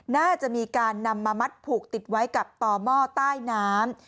น่าจะมีการนำมามัดผูกติดไว้กับต่อหม้อใต้น้ำ